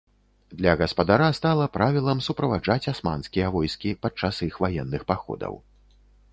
Для гаспадара стала правілам суправаджаць асманскія войскі падчас іх ваенных паходаў.